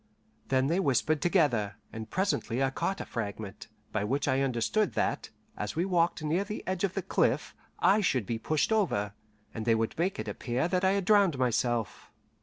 Then they whispered together, and presently I caught a fragment, by which I understood that, as we walked near the edge of the cliff, I should be pushed over, and they would make it appear that I had drowned myself.